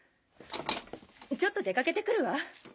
ちょっと出かけてくるわ。